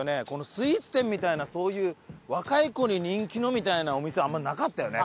スイーツ店みたいなそういう若い子に人気のみたいなお店はあんまなかったよね